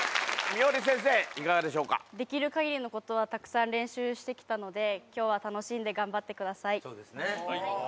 みおり先生、いかがでしょうできるかぎりのことは、たくさん練習してきたので、きょうは楽しんで頑張ってください。